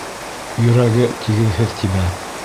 — Йөрәге тигеҙһеҙ тибә...